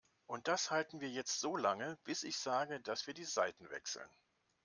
Und das halten wir jetzt so lange, bis ich sage, dass wir die Seiten wechseln.